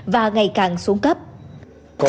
và ngày càng nhiều